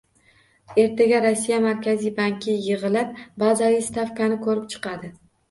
Ertaga Rossiya Markaziy banki yig'ilib, bazaviy stavkani ko'rib chiqadi